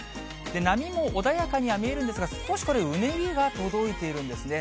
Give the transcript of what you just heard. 波も穏やかには見えるんですが、少しこれ、うねりが届いているんですね。